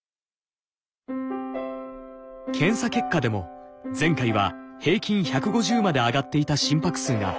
検査結果でも前回は平均１５０まで上がっていた心拍数が１１０に改善。